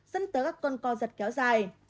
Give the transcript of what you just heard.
dẫn tới các con co giật kéo dài